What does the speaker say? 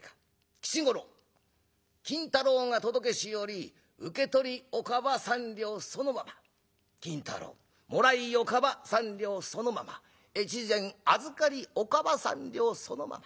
吉五郎金太郎が届けし折受け取りおかば三両そのまま金太郎もらいおかば三両そのまま越前預かりおかば三両そのまま。